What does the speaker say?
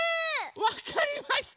わかりました。